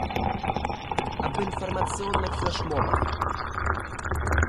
Об информационных флешмобах.